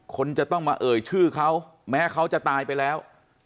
คนจะต้องมาเอ่ยชื่อเขาแม้เขาจะตายไปแล้ว